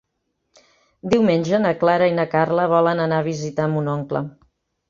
Diumenge na Clara i na Carla volen anar a visitar mon oncle.